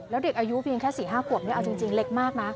แล้วเด็กอายุเพียงแค่๔๕ขวบนี่เอาจริงเล็กมากนะ